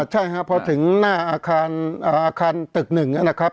ใช่ครับพอถึงหน้าอาคารตึกหนึ่งนะครับ